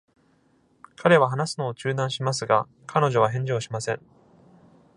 彼は話すのを中断しますが、彼女は返事をしません。